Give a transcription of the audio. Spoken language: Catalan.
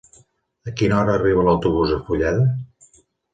A quina hora arriba l'autobús de Fulleda?